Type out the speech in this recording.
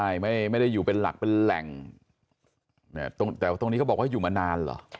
ใช่ไม่ได้อยู่เป็นหลักเป็นแหล่งเนี่ยตรงแต่ว่าตรงนี้เขาบอกว่าอยู่มานานเหรอ